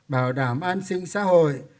bảo đảm an sinh xã hội